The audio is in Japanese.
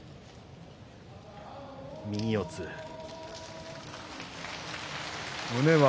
右四つに。